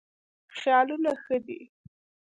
خیالونه ښه دي.